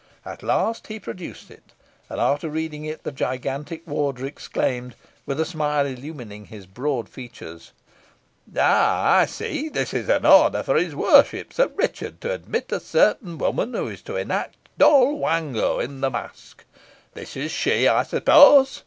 At last he produced it, and after reading it, the gigantic warder exclaimed, with a smile illumining his broad features "Ah! I see; this is an order from his worship, Sir Richard, to admit a certain woman, who is to enact Doll Wango in the masque. This is she, I suppose?"